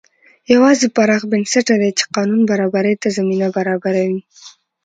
یوازې پراخ بنسټه دي چې قانون برابرۍ ته زمینه برابروي.